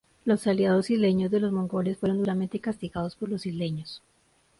Los aliados isleños de los mongoles fueron duramente castigados por los isleños.